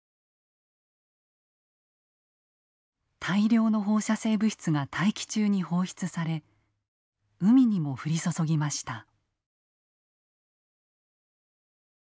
大量の放射性物質が大気中に放出され海にも降り注ぎました。